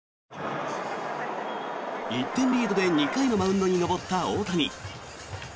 １点リードで２回マウンドに上がった大谷。